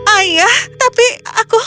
ayah tapi aku